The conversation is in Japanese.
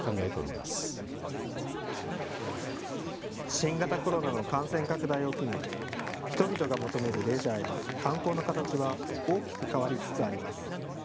新型コロナの感染拡大を機に人々が求めるレジャーや観光の形は大きく変わりつつあります。